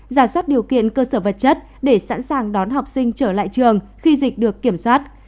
giả soát điều kiện cơ sở vật chất để sẵn sàng đón học sinh trở lại trường khi dịch được kiểm soát